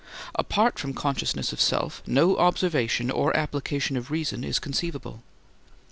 Apart from consciousness of self no observation or application of reason is conceivable.